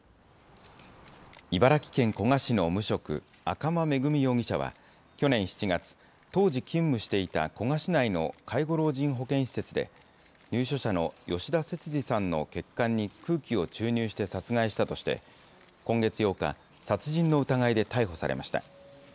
茨城県古河市の無職、赤間恵美容疑者は去年７月、当時勤務していた古河市内の介護老人保健施設で、入所者の吉田節次さんの血管に空気を注入して殺害したとして、今月８日、殺人の疑いで逮捕されました。